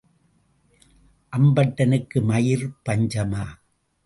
அம்பட்டனுக்கு மயிர்ப் பஞ்சமா?